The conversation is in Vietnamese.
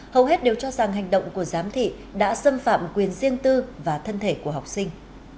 hầu hết đều cho rằng hành động của giám thị đã xâm phạm quyền riêng tư và thân thể của học sinh